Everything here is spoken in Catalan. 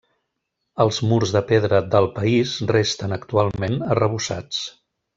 Els murs de pedra del país resten, actualment, arrebossats.